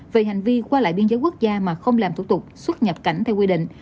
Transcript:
về hành vi qua lại biên giới quốc gia mà không làm thủ tục xuất nhập cảnh theo quy định